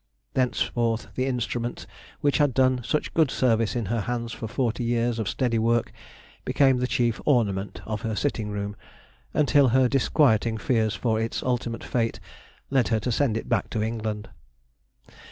Thenceforth the instrument which had done such good service in her hands for forty years of steady work, became the chief ornament of her sitting room, until her disquieting fears for its ultimate fate led her to send it back to England.